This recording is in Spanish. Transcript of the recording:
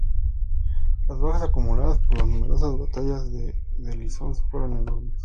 Las bajas acumuladas por las numerosas batallas del Isonzo fueron enormes.